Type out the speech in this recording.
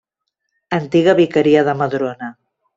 Antiga vicaria de Madrona.